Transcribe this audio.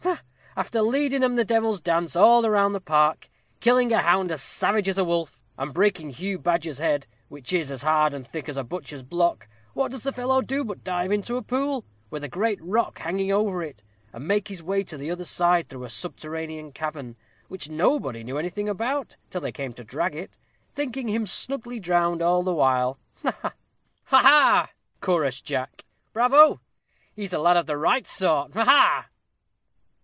Ha, ha! after leading 'em the devil's dance, all around the park, killing a hound as savage as a wolf, and breaking Hugh Badger's head, which is as hard and thick as a butcher's block, what does the fellow do but dive into a pool, with a great rock hanging over it, and make his way to the other side, through a subterranean cavern, which nobody knew anything about, till they came to drag it, thinking him snugly drowned all the while ha, ha!" "Ha, ha, ha!" chorused Jack; "bravo! he's a lad of the right sort ha, ha!"